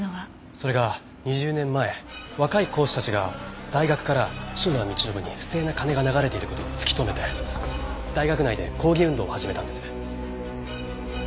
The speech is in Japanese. それが２０年前若い講師たちが大学から篠田道信に不正な金が流れている事を突き止めて大学内で抗議運動を始めたんです。